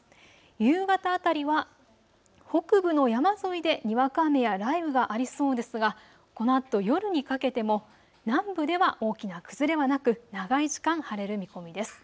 夕方辺りは北部の山沿いでにわか雨や雷雨がありそうですがこのあと夜にかけても南部では大きな崩れはなく長い時間、晴れる見込みです。